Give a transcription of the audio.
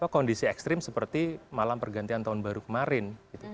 kondisi ekstrim seperti malam pergantian tahun baru kemarin